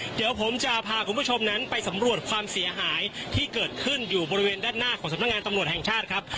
เดี๋ยวผมจะพาคุณผู้ชมนั้นไปสำรวจความเสียหายที่เกิดขึ้นอยู่บริเวณด้านหน้าของสำนักงานตำรวจแห่งชาติครับ